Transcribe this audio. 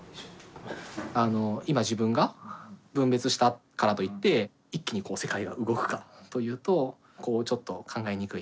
今自分が分別したからといって一気にこう世界が動くかというとこうちょっと考えにくい。